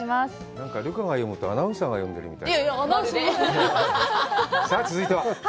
なんか留伽が読むと、アナウンサーが読んでるみたい。